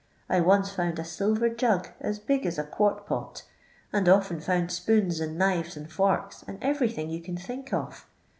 I once found a silver jug as big as a quart pot, and often found spoons nnd knives and forks and every thing you can think of.